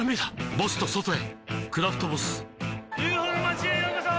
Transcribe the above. ボスと外へ「クラフトボス」ＵＦＯの町へようこそ！